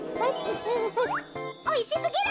おいしすぎる。